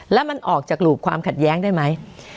แล้วมันออกจากรูปความขัดแย้งได้ไหม